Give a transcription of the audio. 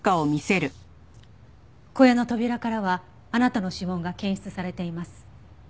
小屋の扉からはあなたの指紋が検出されています。